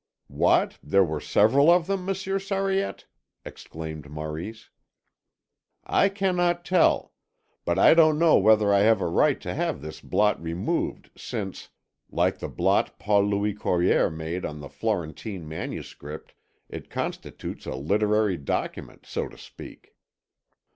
"What, there were several of them, Monsieur Sariette?" exclaimed Maurice. "I cannot tell. But I don't know whether I have a right to have this blot removed since, like the blot Paul Louis Courier made on the Florentine manuscript, it constitutes a literary document, so to speak."